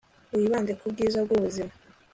wibande ku bwiza bw'ubuzima